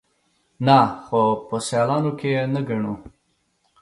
_نه، خو په سيالانو کې يې نه ګڼو.